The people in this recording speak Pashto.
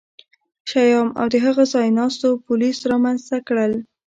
شیام او د هغه ځایناستو پولیس رامنځته کړل